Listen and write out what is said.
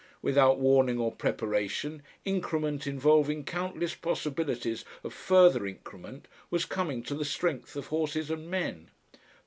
Without warning or preparation, increment involving countless possibilities of further increment was coming to the strength of horses and men.